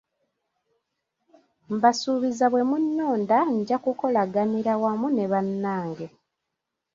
Mbasuubizza bwe munnonda, nja kukolaganira wamu ne bannange.